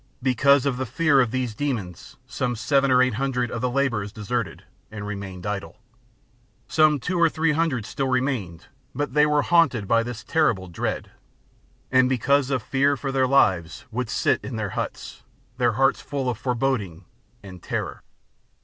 Because of the fear of these demons some seven or eight hundred of the labourers deserted, and remained idle; Some two or three hundred still remained, but they were haunted by this terrible dread, And because of fear for their lives, would sit in their huts, their hearts full of foreboding and terror.